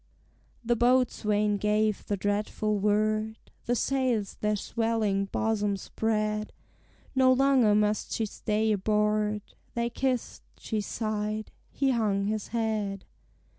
The boatswain gave the dreadful word, The sails their swelling bosom spread; No longer must she stay aboard: They kissed, she sighed, he hung his head.